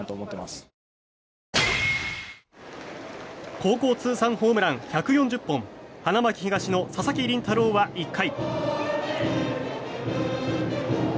高校通算ホームラン１４０本花巻東の佐々木麟太郎は１回。